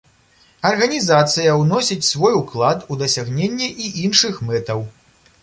Арганізацыя ўносіць свой уклад у дасягненне і іншых мэтаў.